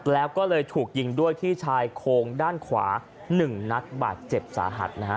แล้วก็เลยถูกยิงด้วยที่ชายโครงด้านขวา๑นัดบาดเจ็บสาหัสนะฮะ